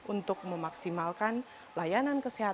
untuk memaksimalkan layanan kesehatan di kabupaten asmat